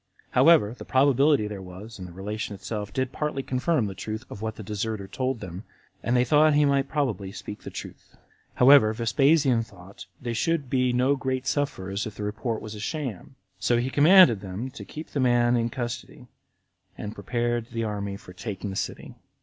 However, the probability there was in the relation itself did partly confirm the truth of what the deserter told them, and they thought he might probably speak truth. However, Vespasian thought they should be no great sufferers if the report was a sham; so he commanded them to keep the man in custody, and prepared the army for taking the city.